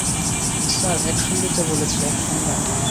Sir action নিতে বলেছে, action নেন।